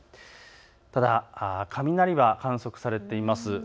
ただ雷は観測されています。